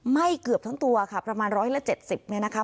ไหม้เกือบทั้งตัวค่ะประมาณ๑๗๐เนี่ยนะคะ